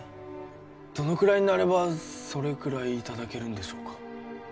どのくらいになればそれくらいいただけるんでしょうか？